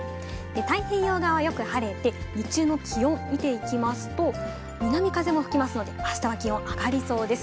太平洋側はよく晴れて、日中の気温見ていきますと、南風も吹きますので、あしたは気温、上がりそうです。